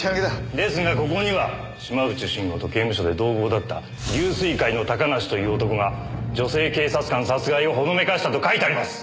ですがここには島内慎吾と刑務所で同房だった龍翠会の高梨という男が女性警察官殺害をほのめかしたと書いてあります！